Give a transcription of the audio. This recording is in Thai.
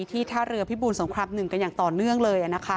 ท่าเรือพิบูรสงคราม๑กันอย่างต่อเนื่องเลยนะคะ